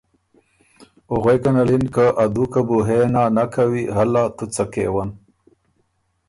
او غوېکن ال اِن که ”ا دُوکه بُو هې نا نک کوی هلا تُو څه کېون